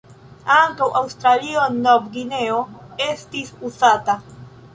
Ankaŭ "Aŭstralio-Nov-Gvineo" estis uzata.